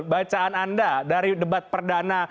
bacaan anda dari debat perdana